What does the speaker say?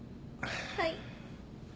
はい。